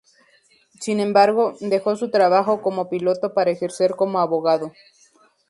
Sin embargo, dejó su trabajo como piloto para ejercer como abogado.